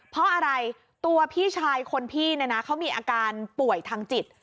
เพราะอะไรตัวพี่ชายคนพี่มีอาการป่วยทางจิต